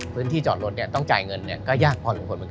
พื้นที่จอดรถต้องจ่ายเงินก็ยากมาก